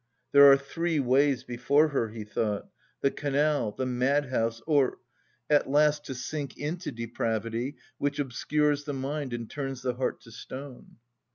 "There are three ways before her," he thought, "the canal, the madhouse, or... at last to sink into depravity which obscures the mind and turns the heart to stone."